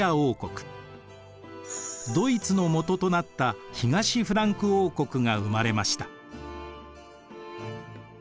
ドイツのもととなった東フランク王国が生まれました。